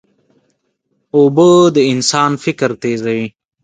اوبه د انسان فکر تیزوي.